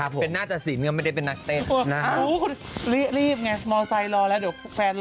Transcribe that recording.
เป็นนาฬิสินังไม่ได้เป็นนักเต้นอุ้ยหรืบเนี่ยมอเตอร์ไซด์รอแล้วเดี๋ยวแฟนรอ